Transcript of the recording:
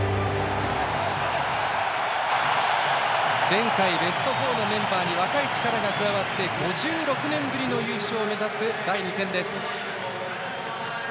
前回ベスト４のメンバーに若い力が加わって５６年ぶりの優勝を目指す第２戦です。